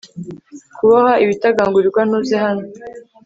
Kuboha ibitagangurirwa ntuze hano